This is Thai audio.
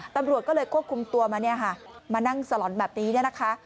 ตำรวจก็เลยควบคุมตัวมาเนี่ยค่ะมานั่งสลอนแบบนี้เนี่ยนะคะ